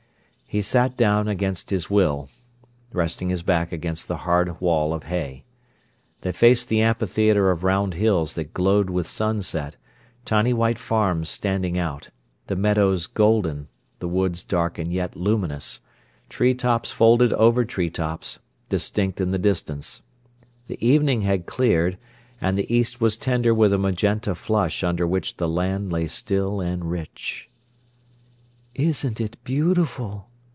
He sat down against his will, resting his back against the hard wall of hay. They faced the amphitheatre of round hills that glowed with sunset, tiny white farms standing out, the meadows golden, the woods dark and yet luminous, tree tops folded over tree tops, distinct in the distance. The evening had cleared, and the east was tender with a magenta flush under which the land lay still and rich. "Isn't it beautiful?"